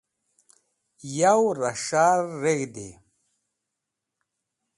Yow Ra S̃hahr reg̃hde